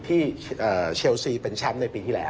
ที่เชลซีเป็นแชมป์ในปีที่แล้ว